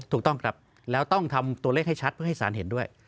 ถูกต้องครับแล้วต้องทำตัวเลขให้ชัดเพื่อให้สารเห็นด้วย